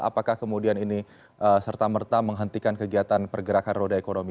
apakah kemudian ini serta merta menghentikan kegiatan pergerakan roda ekonomi